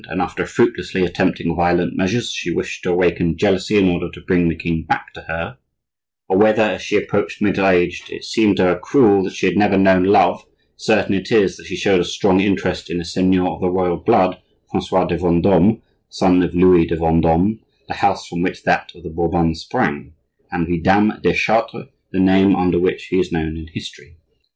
and after fruitlessly attempting violent measures, she wished to awaken jealousy in order to bring the king back to her; or whether as she approached middle age it seemed to her cruel that she had never known love, certain it is that she showed a strong interest in a seigneur of the royal blood, Francois de Vendome, son of Louis de Vendome (the house from which that of the Bourbons sprang), and Vidame de Chartres, the name under which he is known in history.